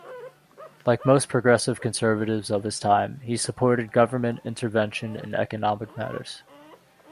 Like most Progressive Conservatives of his time, he supported government intervention in economic matters.